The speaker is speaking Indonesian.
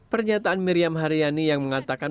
pernyataan miriam haryani yang mengatakan